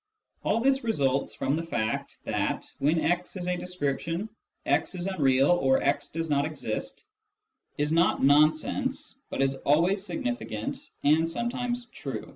All this results from the fact that, when " x " is a description, " x is unreal " or "* does not exist " is not nonsense, but is always significant and sometimes true.